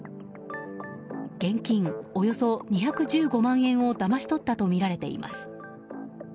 現金およそ２１５万円をだまし取ったとみられています。